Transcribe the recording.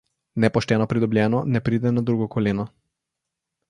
Nepošteno pridobljeno ne pride na drugo koleno.